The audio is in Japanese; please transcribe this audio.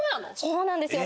そうなんですよ